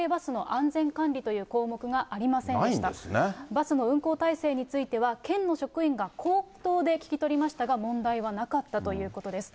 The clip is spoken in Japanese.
バスの運行体制については、県の職員が口頭で聞き取りましたが、問題はなかったということです。